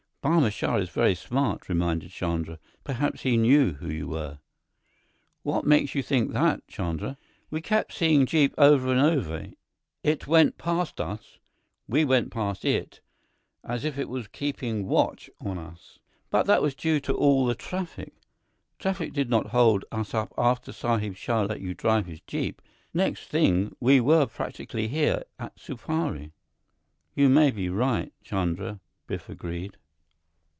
"Barma Shah is very smart," reminded Chandra. "Perhaps he knew who you were." "What makes you think that, Chandra?" "We kept seeing jeep over and over. It went past us we went past it as if it was keeping watch on us." "But that was due to all the traffic " "Traffic did not hold us up after Sahib Shah let you drive his jeep. Next thing, we were practically here at Supari." "You may be right, Chandra," Biff agreed.